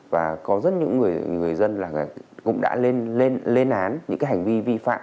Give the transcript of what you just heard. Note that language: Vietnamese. và có rất nhiều người dân cũng đã lên án những hành vi vi phạm